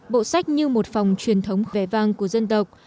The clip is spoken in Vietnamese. bộ sách như một phòng truyền thống vẻ vang của dân tộc